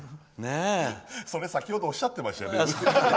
それ、先程おっしゃってましたよね。